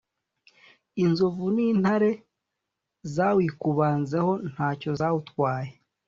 Inzovu n’intare zawikubanzeho ntacyo zawutwaye,